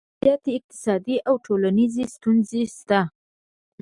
زیاتې اقتصادي او ټولنیزې ستونزې شته